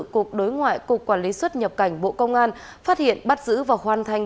cục đối ngoại cục quản lý xuất nhập cảnh bộ công an phát hiện bắt giữ và hoàn thành